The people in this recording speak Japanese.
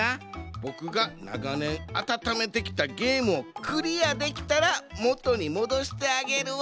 ボクがながねんあたためてきたゲームをクリアできたらもとにもどしてあげるわ。